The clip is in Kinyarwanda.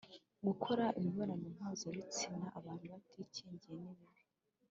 gukora imibonano mpuzabitsina abantu batikingiye ni bibi